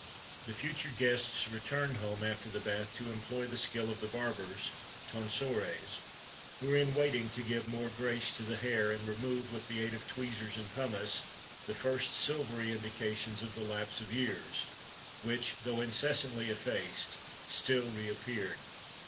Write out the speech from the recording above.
[XXXV 4] The future guests return home, after the bath, to employ the skill of the barbers (tonsores), who are in waiting to give more grace to the hair, and remove, with the aid of tweezers and pumice, the first silvery indications of the lapse of years, which, though incessantly effaced, still re appeared.